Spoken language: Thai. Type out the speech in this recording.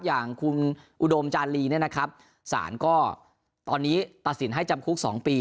อย่างคุณอุดมจารีเนี่ยนะครับสารก็ตอนนี้ตัดสินให้จำคุก๒ปี